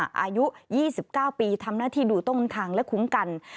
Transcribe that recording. อายุ๒๙ปีทำหน้าที่ดูต้นทางและคุ้มกัน